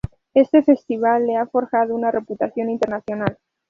Este festival le ha forjado una reputación internacional.